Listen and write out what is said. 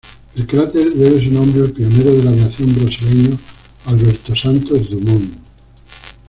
El cráter debe su nombre al pionero de la aviación brasileño Alberto Santos Dumont.